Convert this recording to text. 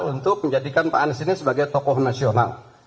untuk menjadikan pak anies ini sebagai tokoh nasional